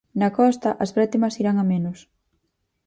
Na costa, as brétemas irán a menos.